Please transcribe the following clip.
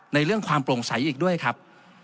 เรื่องความโปร่งใสอีกด้วยครับ